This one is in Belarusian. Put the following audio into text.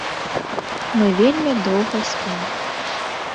Мы вельмі доўга спім.